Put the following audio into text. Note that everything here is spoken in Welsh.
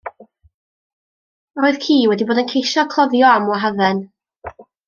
Roedd ci wedi bod yn ceisio cloddio am wahadden.